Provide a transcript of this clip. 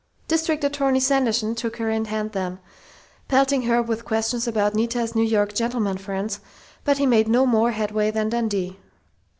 District Attorney Sanderson took her in hand then, pelting her with questions about Nita's New York "gentlemen friends," but he made no more headway than Dundee.